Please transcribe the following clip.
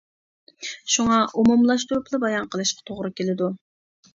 شۇڭا ئومۇملاشتۇرۇپلا بايان قىلىشقا توغرا كېلىدۇ.